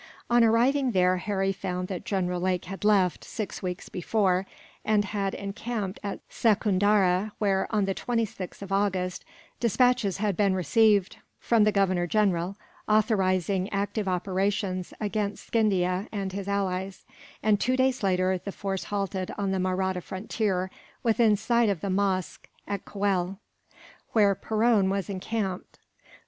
On arriving there Harry found that General Lake had left, six weeks before, and had encamped at Secundara where, on the 26th of August, despatches had been received from the Governor General, authorizing active operations against Scindia and his allies; and two days later the force halted on the Mahratta frontier, within sight of the mosque at Coel, where Perron was encamped.